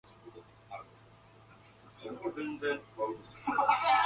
I bet you feel so clever drawing that, don’t you.